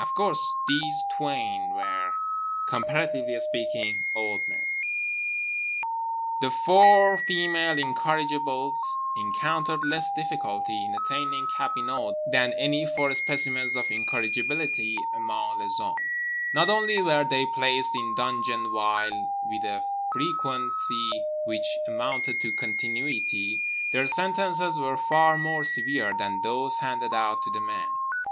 Of course these twain were, comparatively speaking, old men…. The four female incorrigibles encountered less difficulty in attaining cabinot than any four specimens of incorrigibility among les hommes. Not only were they placed in dungeon vile with a frequency which amounted to continuity; their sentences were far more severe than those handed out to the men.